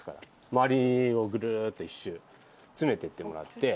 周りをグルーッと１周詰めていってもらって。